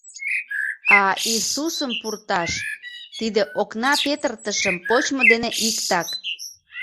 А Иисусым пурташ — тиде окна петыртышым почмо дене иктак».